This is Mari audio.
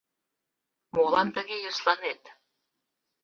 Молан тыге йӧсланет?»